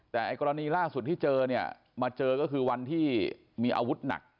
แต่ไอ้กรณีล่าสุดที่เจอเนี่ยมาเจอก็คือวันที่มีอาวุธหนัก